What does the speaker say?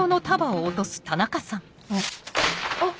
あっ。